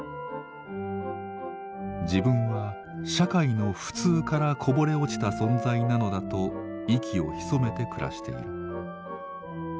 自分は社会の「普通」からこぼれ落ちた存在なのだと息を潜めて暮らしている。